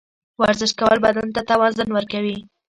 ورزش کول بدن ته توازن ورکوي.